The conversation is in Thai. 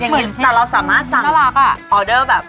อย่างนี้แต่เราสามารถสั่งออเดอร์แบบ